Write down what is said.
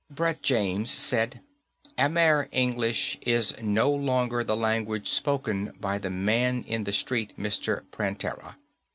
Brett James said, "Amer English is no longer the language spoken by the man in the street, Mr. Prantera.